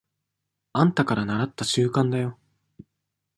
あんたからならった慣習だよ。